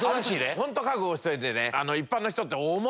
ホント覚悟しておいてね。